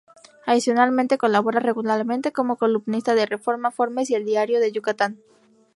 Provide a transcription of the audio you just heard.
Adicionalmente, colabora regularmente como columnista en Reforma, Forbes y el Diario de Yucatán.